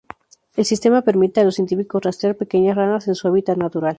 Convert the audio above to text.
El sistema permite a los científicos rastrear pequeñas ranas en su hábitat natural.